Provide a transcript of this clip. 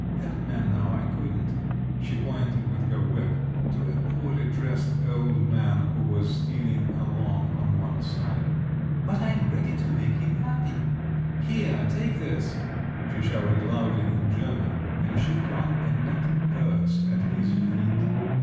That man now I couldn't." She pointed with her whip at a poorly dressed old man who was stealing along on one side. "But I am ready to make him happy. Here, take this," she shouted loudly in German, and she flung a net purse at his feet.